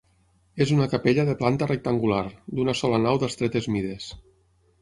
És una capella de planta rectangular, d'una sola nau d'estretes mides.